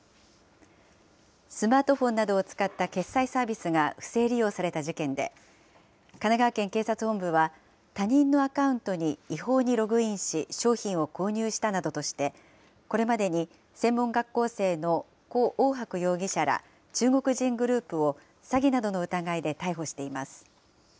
スマートフォンなどを使った決済サービスが不正利用された事件で、神奈川県警察本部は他人のアカウントに違法にログインし商品を購入したなどとして、これまでに専門学校生の胡奥博容疑者ら中国人グループを詐欺などの疑いで逮捕しています。